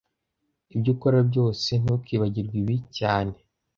Ibyo ukora byose, ntukibagirwe ibi cyane